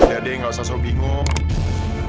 aida udah deh gak usah so pingung